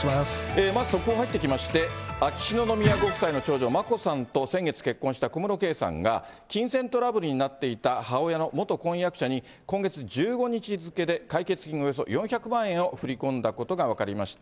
まず速報入ってきまして、秋篠宮家の長女、眞子さんと先月結婚した小室圭さんが、金銭トラブルになっていた母親の元婚約者に、今月１５日付で解決金およそ４００万円を振り込んだことが分かりました。